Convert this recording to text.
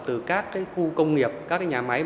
từ các khu công nghiệp các nhà máy